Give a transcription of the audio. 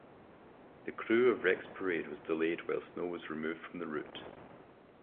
The Krewe of Rex Parade was delayed while snow was removed from the route.